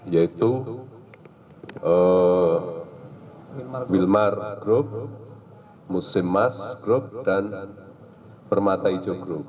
yaitu wilmar group musimas group dan permata ijo group